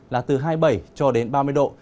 là từ hai mươi bảy ba mươi độ